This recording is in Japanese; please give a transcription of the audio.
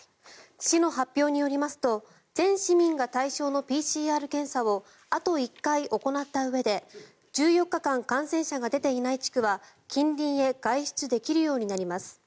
市の発表によりますと全市民が対象のＰＣＲ検査をあと１回行ったうえで１４日間感染者が出ていない地区は近隣へ外出できるようになります。